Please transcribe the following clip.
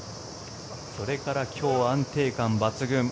それから今日安定感抜群。